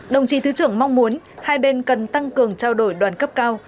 đồng chí thứ trưởng mong muốn hai bên cần tăng cường trao đổi đoàn cấp cao